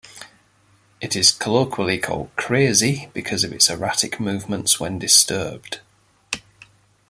It is colloquially called "crazy" because of its erratic movements when disturbed.